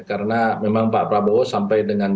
karena memang pak prabowo sampai dengan